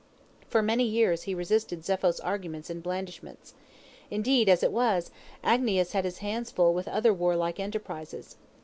For many years he resisted Zepho's arguments and blandishments. Indeed, as it was, Agnias had his hands full with other warlike enterprises.